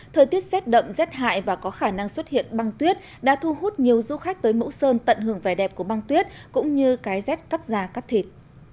thời tiết rét đậm rét hại và có khả năng xuất hiện băng tuyết đã thu hút nhiều du khách tới mẫu sơn tận hưởng vẻ đẹp của băng tuyết cũng như cái rét cắt da cắt thịt